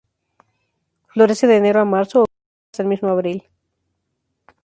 Florece de enero a marzo o quizás hasta el mismo abril.